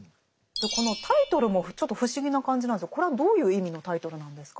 このタイトルもちょっと不思議な感じなんですけどこれはどういう意味のタイトルなんですか？